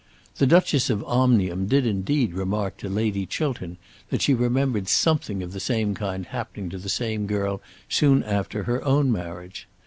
The Duchess of Omnium did indeed remark to Lady Chiltern that she remembered something of the same kind happening to the same girl soon after her own marriage.